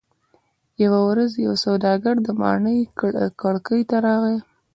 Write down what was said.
یوه ورځ یو سوداګر د ماڼۍ کړکۍ ته راغی.